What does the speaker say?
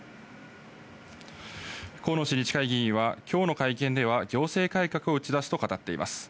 河野氏に近い議員は今日の会見では行政改革を打ち出すと語っています。